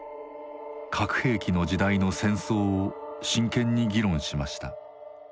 核兵器の時代の戦争を真剣に議論しました。